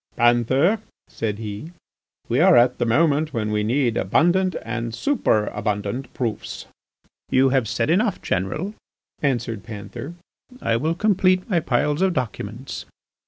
"Panther," said he, "we are at the moment when we need abundant and superabundant proofs." "You have said enough, General," answered Panther, "I will complete my piles of documents."